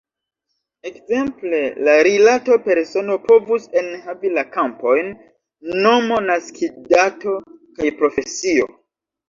Ekzemple la rilato "persono" povus enhavi la kampojn "nomo", "naskiĝdato" kaj "profesio".